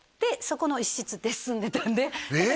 そこの一室で住んでたんでえ！